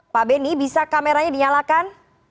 pak beni bisa kameranya dinyalakan